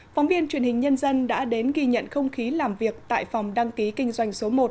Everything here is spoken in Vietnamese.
phóng viên truyền hình nhân dân đã đến ghi nhận không khí làm việc tại phòng đăng ký kinh doanh số một